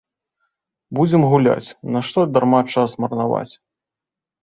Будзем гуляць, нашто дарма час марнаваць!